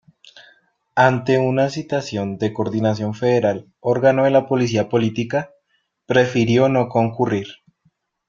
Ante una citación de Coordinación Federal, órgano de la policía política, prefirió no concurrir.